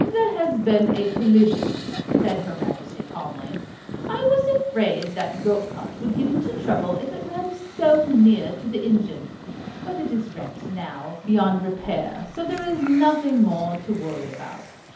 "There has been a collision," said her Majesty, calmly. "I was afraid that goat cart would get into trouble if it ran so near to the engine. But it is wrecked now, beyond repair, so there is nothing more to worry about."